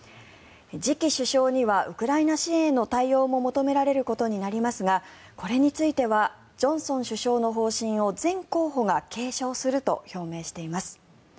次期首相にはウクライナ支援の対応も求められることになりますがこれについてはジョンソン首相の方針を全候補が継承すると表明しています。